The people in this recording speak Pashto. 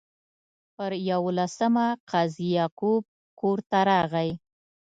پر یوولسمه قاضي یعقوب کور ته راغی.